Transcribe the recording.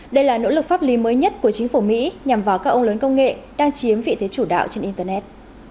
đây là nỗ lực pháp lý mới nhất của chính phủ mỹ nhằm vào các ông lớn công nghệ đang chiếm vị thế chủ đạo trên internet